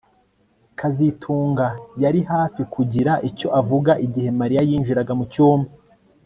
kazitunga yari hafi kugira icyo avuga igihe Mariya yinjiraga mu cyumba